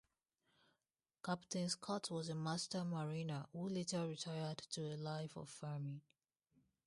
Captain Scott was a master mariner, who later retired to a life of farming.